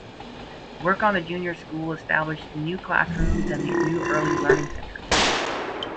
Work on the junior school established new classrooms and the new Early Learning Centre.